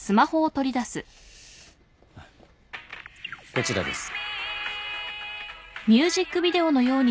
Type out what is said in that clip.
こちらです。